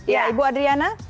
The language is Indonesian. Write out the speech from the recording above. ya ibu adriana